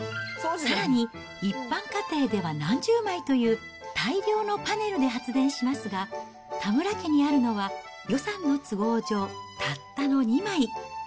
さらに、一般家庭では何十枚という大量のパネルで発電しますが、田村家にあるのは、予算の都合上、たったの２枚。